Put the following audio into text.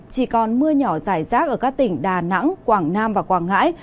chỉ còn mưa nhỏ dài rác ở các tỉnh đà nẵng quảng nam và quảng ngãi